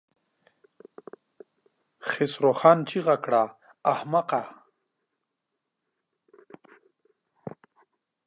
خسرو خان چيغه کړه! احمقه!